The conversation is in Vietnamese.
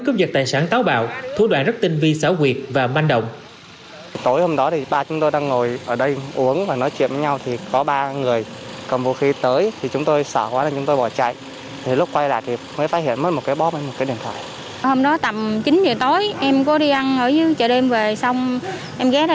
cướp giật tài sản táo bạo thủ đoạn rất tinh vi xảo quyệt và manh động